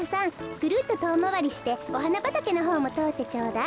ぐるっととおまわりしておはなばたけのほうもとおってちょうだい。